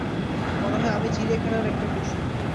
মনে হয় আমি চিড়িয়াখানার একটা পশু।